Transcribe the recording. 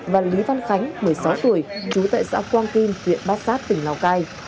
và lý văn khánh một mươi sáu tuổi trú tại xã quang kim huyện bát sát tỉnh lào cai